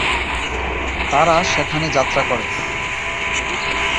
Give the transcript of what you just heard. তারা সেখানে যাত্রা করে।